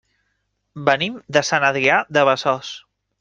Venim de Sant Adrià de Besòs.